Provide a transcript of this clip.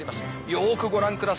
よくご覧ください。